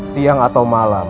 siang atau malam